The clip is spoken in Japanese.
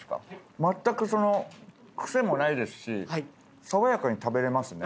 まったくその癖もないですし爽やかに食べれますね。